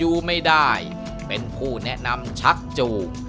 อยู่ไม่ได้เป็นผู้แนะนำชักจูบ